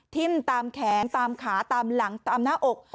ตามแขนตามขาตามหลังตามหน้าอก